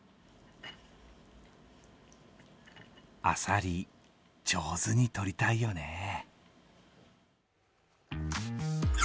あさり、上手にとりたいよね。